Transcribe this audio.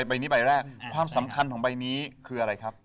ใบนี้ใบแรกความสำคัญของใบนี้คืออะไรครับ